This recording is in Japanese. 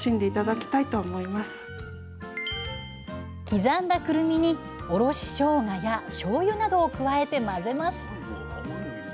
刻んだくるみにおろししょうがやしょうゆなどを加えて混ぜます。